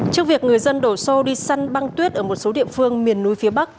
trước việc người dân đổ xô đi săn băng tuyết ở một số địa phương miền núi phía bắc